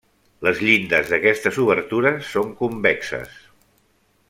Les llindes d'aquestes obertures són convexes.